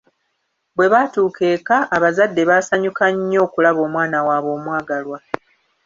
Bwe baatuuka eka abazadde baasanyuka nnyo okulaba omwana waabwe omwagalwa.